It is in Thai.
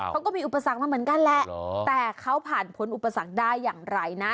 เขาก็มีอุปสรรคมาเหมือนกันแหละแต่เขาผ่านผลอุปสรรคได้อย่างไรนะ